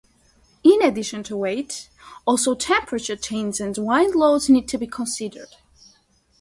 In addition to weight, also temperature changes and wind loads need to be considered.